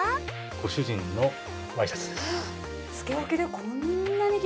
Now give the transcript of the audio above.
ご主人のワイシャツです。